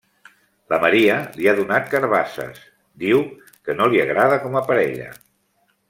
La Maria li ha donat carabasses. Diu que no li agrada com a parella.